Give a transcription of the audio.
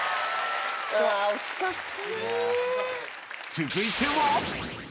［続いては］